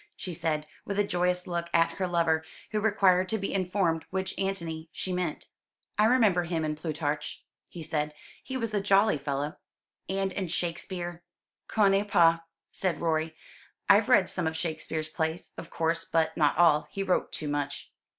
she said, with a joyous look at her lover, who required to be informed which Antony she meant. "I remember him in Plutarch," he said. "He was a jolly fellow." "And in Shakespeare." "Connais pas," said Rorie. "I've read some of Shakespeare's plays, of course, but not all. He wrote too much."